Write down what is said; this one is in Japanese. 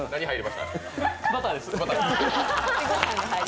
バターです。